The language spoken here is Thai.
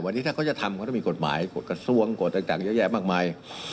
วันนี้ถ้าเขาจะทำก็ต้องมีกฎหมายกฎทางจังเยอะแยะมากมาย